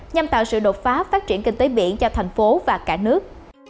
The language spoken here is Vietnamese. nhằm tạo sự đột phá phát triển kinh tế biển cho thành phố và cả nước